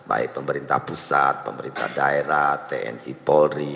baik pemerintah pusat pemerintah daerah tni polri